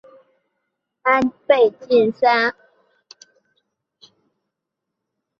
但最终石破败于安倍晋三。